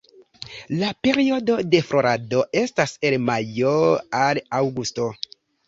La periodo de florado estas el majo al aŭgusto.